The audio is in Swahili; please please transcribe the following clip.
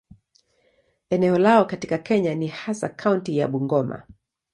Eneo lao katika Kenya ni hasa kaunti ya Bungoma.